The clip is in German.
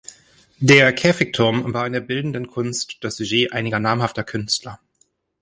Der Käfigturm war in der bildenden Kunst das Sujet einiger namhafter Künstler.